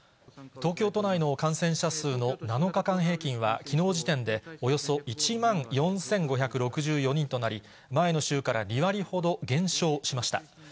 東京都内の感染者数の７日間平均は、きのう時点でおよそ１万４５６４人となり、前の週から２割ほど減少しました。